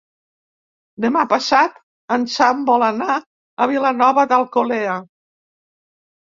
Demà passat en Sam vol anar a Vilanova d'Alcolea.